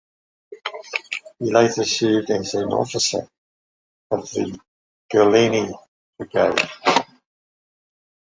He later served as an officer of the Golani Brigade.